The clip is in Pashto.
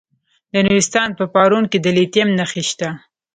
د نورستان په پارون کې د لیتیم نښې شته.